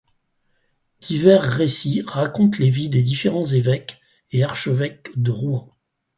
Divers récits racontent les vies des différents évêques et archevêques de Rouen.